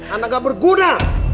anak gak berguna